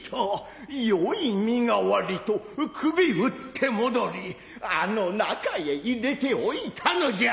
よい身代りと首討って戻りあの中へ入れておいたのじゃ。